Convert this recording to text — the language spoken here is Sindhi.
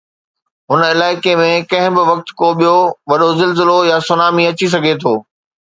هن علائقي ۾ ڪنهن به وقت ڪو ٻيو وڏو زلزلو يا سونامي اچي سگهي ٿو.